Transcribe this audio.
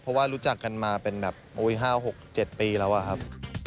เพราะว่ารู้จักกันมาเป็นแบบ๕๖๗ปีแล้วอะครับ